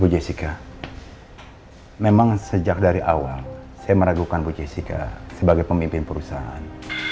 jessica memang sejak dari awal saya meragukan bu jessica sebagai pemimpin perusahaan